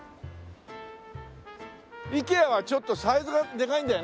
イケアはちょっとサイズがでかいんだよね。